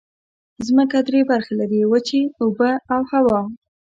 ځمکه درې برخې لري: وچې، اوبه او هوا.